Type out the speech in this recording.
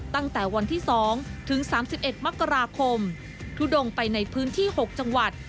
ตั้งแต่วันที่๒ถึง๓๑มกราคมทุดงไปในพื้นที่๖จังหวัด